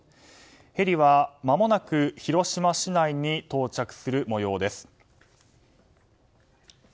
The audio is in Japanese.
ヘリは、まもなく広島市内に到着する模様です。